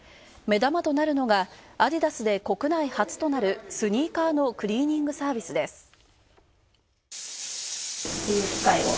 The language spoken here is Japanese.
目玉となるのが、アディダスで国内初となるスニーカーのクリーニングサービスです。